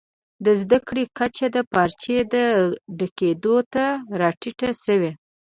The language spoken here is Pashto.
د زده کړي کچه د پارچې ډکېدو ته راټیټه سوې.